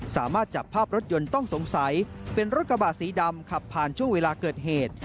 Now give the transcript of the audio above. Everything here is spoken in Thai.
สามารถจับภาพรถยนต์ต้องสงสัยเป็นรถกระบะสีดำขับผ่านช่วงเวลาเกิดเหตุ